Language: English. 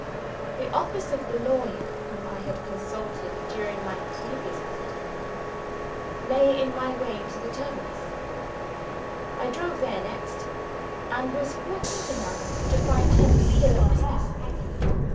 The office of the lawyer whom I had consulted during my previous visit to London, lay in my way to the terminus. I drove there next, and was fortunate enough to find him still at business.